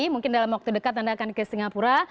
mungkin dalam waktu dekat anda akan ke singapura